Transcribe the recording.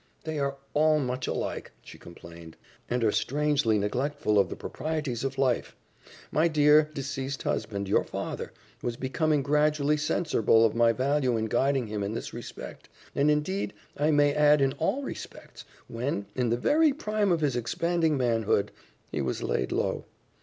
"They are all much alike," she complained, "and are strangely neglectful of the proprieties of life. My dear, deceased husband, your father, was becoming gradually senserble of my value in guiding him in this respect, and indeed, I may add in all respects, when, in the very prime of his expanding manhood, he was laid low.